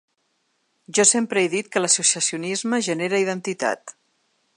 Jo sempre he dit que l’associacionisme genera identitat.